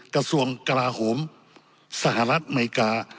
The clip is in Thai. กระทรวงกลาโหมสหรัฐอเมริกา